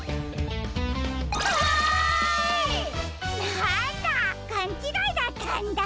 なんだかんちがいだったんだ。